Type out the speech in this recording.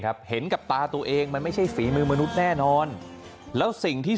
เห็นกับตาตัวเองมันไม่ใช่ฝีมือมนุษย์แน่นอนแล้วสิ่งที่